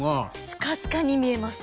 スカスカに見えます。